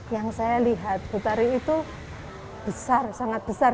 yang saya lihat bu tari itu besar sangat besar